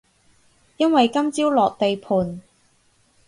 因為今朝落地盤